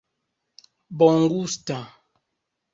bongusta